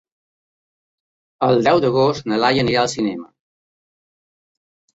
El deu d'agost na Laia anirà al cinema.